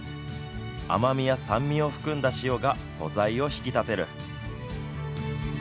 甘みや酸味を含んだ塩が素材を引き立てる。